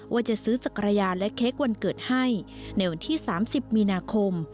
ว่าจะซื้อจักรยานและเค้กวันเกิดให้ในวันที่๓๐มีนาคม